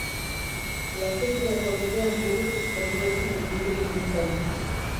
Lantegirako bidean burutik kendu ezinik ibili nintzen.